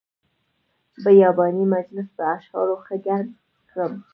بیاباني مجلس په اشعارو ښه ګرم کړ.